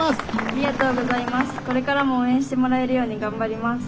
これからも応援してもらえるように頑張ります。